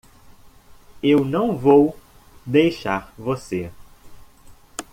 Eu não vou deixar você.